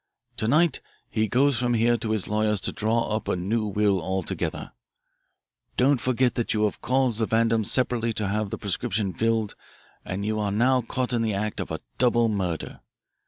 To night he goes from here to his lawyer's to draw up a new will altogether. Don't forget that you have caused the Vandams separately to have the prescription filled, and that you are now caught in the act of a double murder.